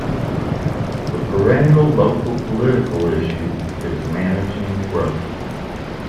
The perennial local political issue is managing growth.